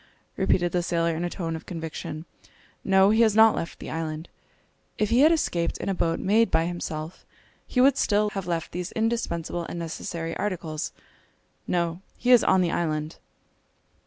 repeated the sailor, in a tone of conviction, "no, he has not left the island! If he had escaped in a boat made by himself, he would still less have left these indispensable and necessary articles. No! he is on the island!"